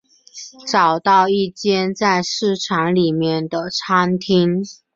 找到一间在市场里面的餐厅